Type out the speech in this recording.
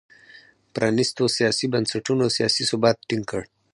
پرانیستو سیاسي بنسټونو سیاسي ثبات ټینګ کړ.